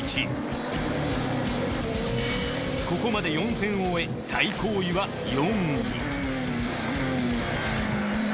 ここまで４戦を終え最高位は４位